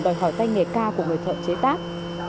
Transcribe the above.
bởi tay nghề ca của người thợ chế tác